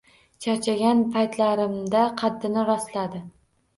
Charchagan paytlarida qaddini rostladi.